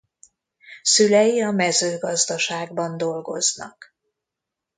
Szülei a mezőgazdaságban dolgoznak.